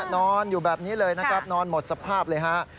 นอนอยู่แบบนี้เลยนะครับนอนหมดสภาพเลยฮะ